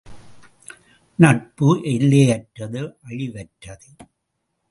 நட்பு எல்லையற்றது அழிவற்றது.